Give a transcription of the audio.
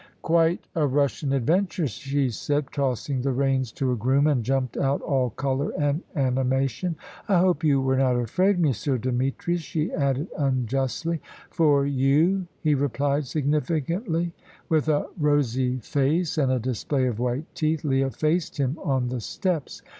"Quite a Russian adventure," she said, tossing the reins to a groom, and jumped out, all colour and animation. "I hope you were not afraid, Monsieur Demetrius," she added unjustly. "For you," he replied significantly. With a rosy face and a display of white teeth, Leah faced him on the steps.